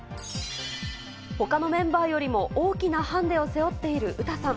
ほかのメンバーよりも大きなハンデを背負っているウタさん。